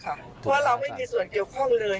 เพราะว่าเราไม่มีส่วนเกี่ยวข้องเลย